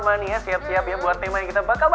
mania siap siap ya buat teman kita